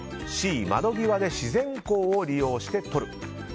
Ｃ、窓際で自然光を利用して撮る。